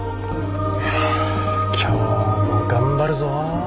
今日も頑張るぞ。